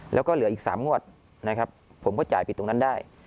แล้วก็เหลืออีก๓งวดนะครับผมก็จ่ายปิดตรงนั้นได้